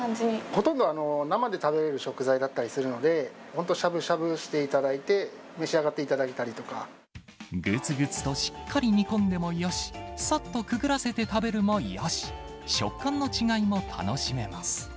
ほとんど生で食べれる食材だったりするので、本当しゃぶしゃぶしていただいて、召し上がってぐつぐつとしっかり煮込んでもよし、さっとくぐらせて食べるもよし、食感の違いも楽しめます。